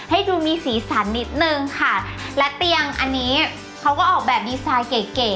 ให้ดูมีสีสันนิดนึงค่ะและเตียงอันนี้เขาก็ออกแบบดีไซน์เก๋เก๋